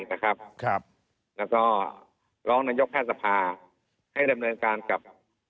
แล้วก็ร้องนายกแพทย์สภาให้ดำเนินการกับ